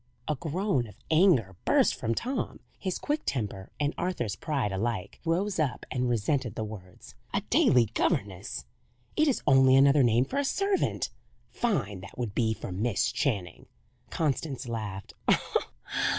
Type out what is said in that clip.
A groan of anger burst from Tom. His quick temper, and Arthur's pride, alike rose up and resented the words. "A daily governess! It is only another name for a servant. Fine, that would be, for Miss Channing!" Constance laughed.